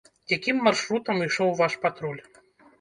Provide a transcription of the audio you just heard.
Якім маршрутам ішоў ваш патруль?